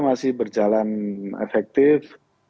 masih berjalan efektif